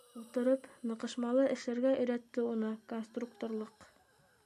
Ултырып, ныҡышмалы эшләргә өйрәтте уны конструкторлыҡ.